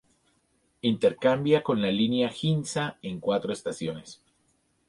Intercambia con la línea Ginza en cuatro estaciones.